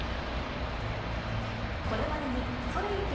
これまでにそれいけ！